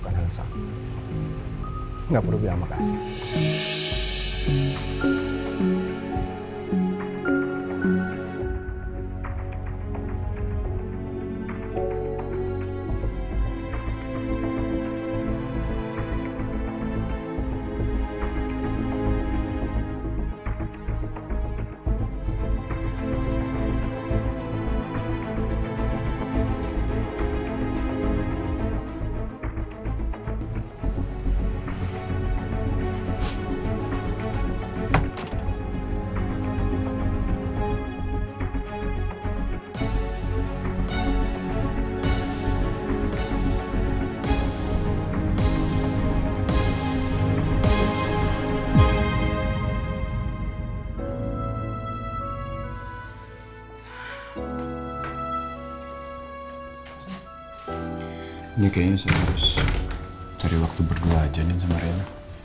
neselin banget ya nino